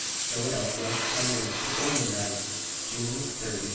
Philadelphia, Ten minutes before Midnight, June 30, 1919.